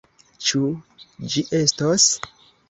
Ĉu ĝi estos?